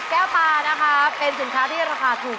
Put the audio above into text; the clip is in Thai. แพงกว่า